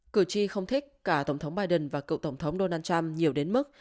cử tri không thích cả tổng thống biden và cựu tổng thống donald trump nhiều đến mức